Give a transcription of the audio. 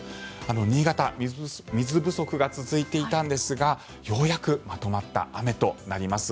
新潟、水不足が続いていたんですがようやくまとまった雨となります。